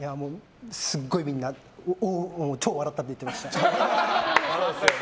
すごいみんな超笑ったって言っていました。